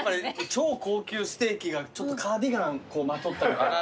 超高級ステーキがちょっとカーディガンこうまとったみたいな。